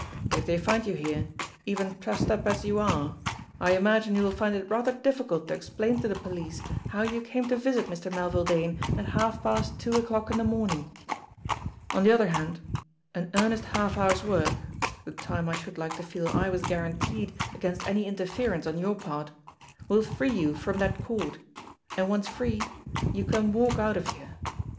If they find you here, even trussed up as you are, I imagine you will find it rather diffi cult to explain to the police how you came to visit Mr. Melville Dane at half past two o'clock in the morning. On the other hand, an earnest half hour's work the time I should like to feel I was guaranteed against any interference on your part will free you from that cord, and once free you can walk out of here.